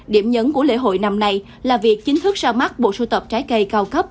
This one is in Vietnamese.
điểm nhấn của lễ hội năm nay là việc chính thức ra mắt bộ sưu tập trái cây cao cấp